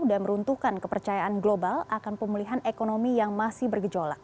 dan meruntuhkan kepercayaan global akan pemulihan ekonomi yang masih bergejolak